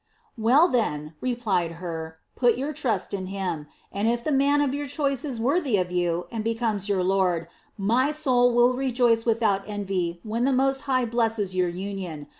"Well then," replied Hur, "put your trust in Him, and if the man of your choice is worthy of you, and becomes your lord, my soul will rejoice without envy when the Most High blesses your union.